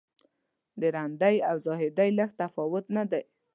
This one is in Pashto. د رندۍ او زاهدۍ لږ تفاوت نه دی.